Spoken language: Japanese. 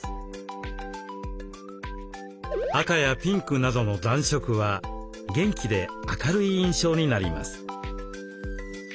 赤やピンクなどの暖色は元気で明るい印象になります。